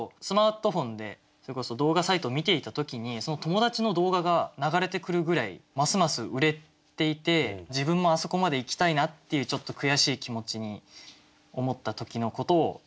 スマートフォンでそれこそ動画サイトを見ていた時にその友達の動画が流れてくるぐらいますます売れていて自分もあそこまで行きたいなっていうちょっと悔しい気持ちに思った時のことを。